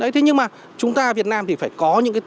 thế nhưng mà chúng ta việt nam thì phải có những cái